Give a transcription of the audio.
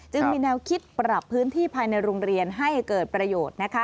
จึงมีแนวคิดปรับพื้นที่ภายในโรงเรียนให้เกิดประโยชน์นะคะ